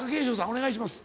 お願いします。